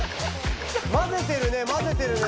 まぜてるねまぜてるね。